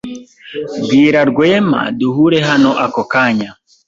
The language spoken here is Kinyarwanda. Bwira Rwema duhure hano ako kanya.